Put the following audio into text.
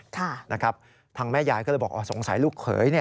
ทางแม่ยายก็เลยบอกสงสัยลูกเขย